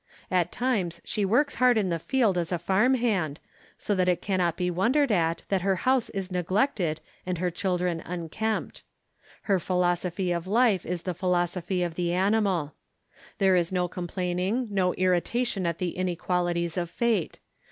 At times she works hard in the field as a farm hand, so that it cannot be wondered at that her house is neglected and her children unkempt. Her philosophy of life is the philosophy of the animal. There is no complaining, no irritation at the inequalities of fate.